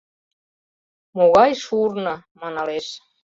«Могай шурно!» — маналеш.